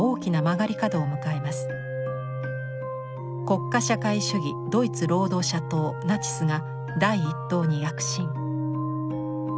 国家社会主義ドイツ労働者党ナチスが第一党に躍進。